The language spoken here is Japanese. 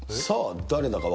さあ、誰だ？